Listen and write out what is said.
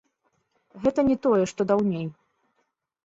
Гэта не тое, што даўней.